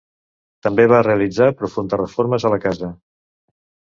També va realitzar profundes reformes a la casa.